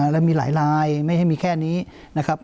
แล้วมีหลายลายไม่ให้มีแค่นี้นะครับ